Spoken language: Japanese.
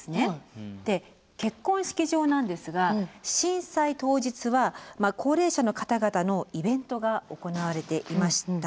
結婚式場なんですが震災当日は高齢者の方々のイベントが行われていました。